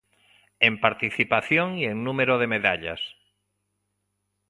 En participación e en número de medallas.